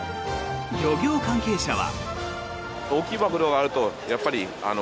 漁業関係者は。